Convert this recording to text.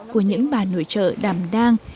của những bà nội trợ đàm đang